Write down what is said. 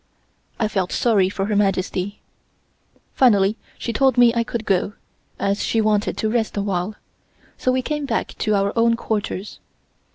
I felt sorry for Her Majesty. Finally she told me I could go, as she wanted to rest a while, so we came back to our own quarters.